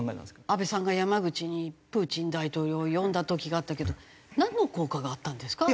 安倍さんが山口にプーチン大統領を呼んだ時があったけどなんの効果があったんですか？